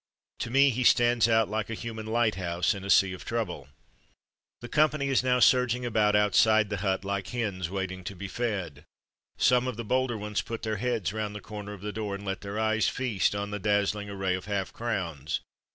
To me he stands out like a human lighthouse in a sea of trouble. The company is now surging about out side the hut, like hens waiting to be* fed. Some of the bolder ones put their heads round the corner of the door and let their eyes feast on the dazzling array of half crowns.